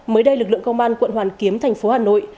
mới đây lực lượng công an quận hoàn kiếm thành phố hà nội